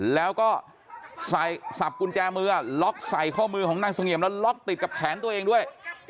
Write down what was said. แล้วก็ใส่สับกุญแจมือล็อกใส่ข้อมือของนางเสงี่ยมแล้วล็อกติดกับแขนตัวเองด้วย